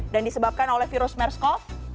dan disebabkan oleh virus mers cov